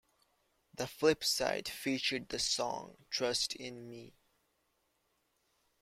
The flip side featured the song Trust in Me.